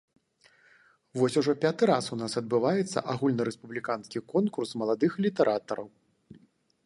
Вось ужо пяты раз у нас адбываецца агульнарэспубліканскі конкурс маладых літаратараў.